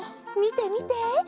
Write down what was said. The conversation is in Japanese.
みてみて。